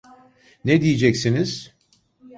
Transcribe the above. Ne diyeceksiniz?